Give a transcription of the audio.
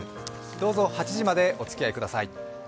どうぞ８時までおつきあいください。